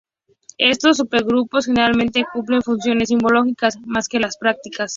Estos supergrupos generalmente cumplen funciones simbólicas más que prácticas.